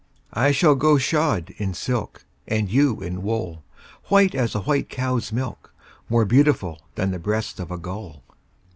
I shall go shod in silk, And you in wool, White as a white cow's milk, More beautiful Than the breast of a gull.